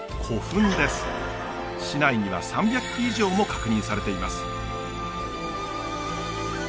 市内には３００基以上も確認されています。